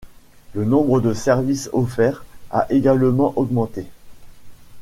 Le nombre de services offerts a également augmenté.